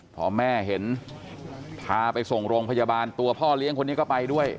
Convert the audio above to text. พอแม่เห็นพาไปส่งโรงพยาบาลตัวพ่อเลี้ยงคนนี้ก็ไปด้วย